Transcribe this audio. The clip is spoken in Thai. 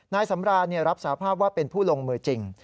นายสำรานรับสาภาพว่าเป็นผู้ลงมือจริง